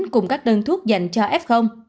cùng các đơn thuốc dành cho f